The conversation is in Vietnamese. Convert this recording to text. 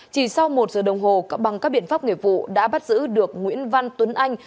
chỉ sau một giờ đồng hồ bằng các biện pháp nghiệp vụ đã bắt giữ được nguyễn văn tuấn anh